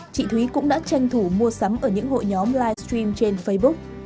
chị thúy cũng đã tranh thủ mua sắm ở những hội nhóm live stream trên facebook